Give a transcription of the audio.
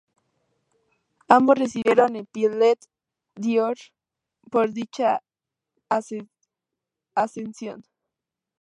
Ambos recibieron el Piolet D' Or por dicha ascensión.